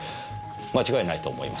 間違いないと思います。